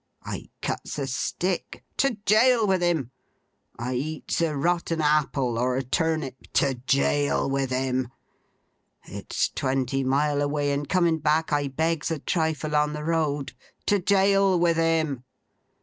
I cuts a stick. To jail with him! I eats a rotten apple or a turnip. To jail with him! It's twenty mile away; and coming back I begs a trifle on the road. To jail with him!